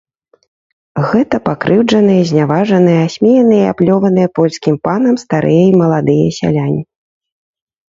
Гэта пакрыўджаныя, зняважаныя, асмеяныя і аплёваныя польскім панам старыя і маладыя сяляне.